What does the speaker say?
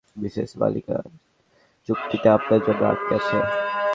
Mrs Malika চুক্তিটা আপনার জন্য আটকে আছে।